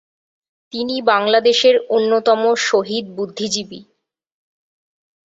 তিনি বাংলাদেশের অন্যতম শহীদ বুদ্ধিজীবী।